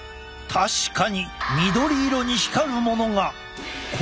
確かに緑色に光るものが！